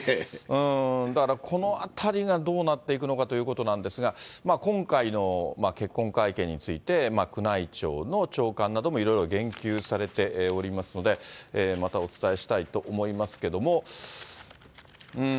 だから、このあたりがどうなっていくのかということなんですが、今回の結婚会見について、宮内庁の長官などもいろいろ言及されておりますので、またお伝えしたいと思いますけども。